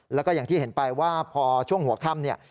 แล้วก็อย่างที่เห็นไปว่าพอช่วงหัวค่ำเนี่ย